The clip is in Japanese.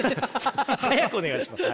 早くお願いします。